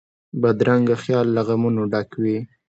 بدرنګه خیال له غمونو ډک وي